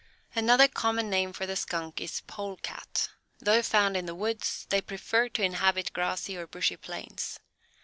Another common name for the Skunk is Polecat. Though found in the woods, they prefer to inhabit grassy or bushy plains.